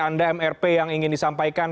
anda mrp yang ingin disampaikan